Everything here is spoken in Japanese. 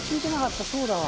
そうだわ。